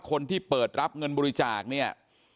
คนที่เปิดรับเงินบริจาคเนี่ย